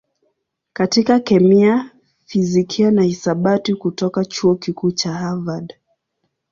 katika kemia, fizikia na hisabati kutoka Chuo Kikuu cha Harvard.